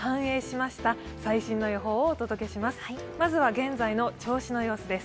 まずは現在の銚子の様子です。